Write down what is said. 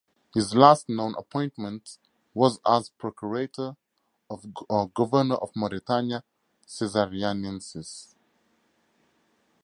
His last known appointment was as procurator or governor of Mauretania Caesariensis.